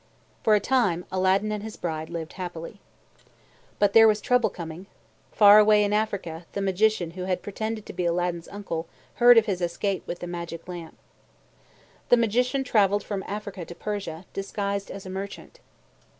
For a time, Aladdin and his bride lived happily. But there was trouble coming. Far away in Africa, the Magician who had pretended to be Aladdin's uncle learned of his escape with the magic lamp. The Magician traveled from Africa to Persia, disguised as a merchant.